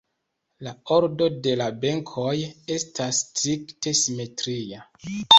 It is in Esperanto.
La ordo de la benkoj estas strikte simetria.